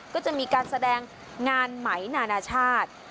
ก็จะมีการแสดงงานไหมนานาชาติ